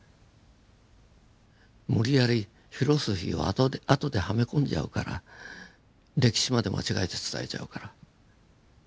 無理やりフィロソフィーを後ではめ込んじゃうから歴史まで間違えて伝えちゃうから。